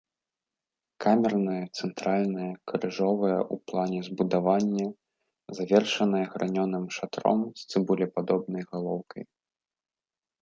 Камернае цэнтральнае крыжовае ў плане збудаванне, завершанае гранёным шатром з цыбулепадобнай галоўкай.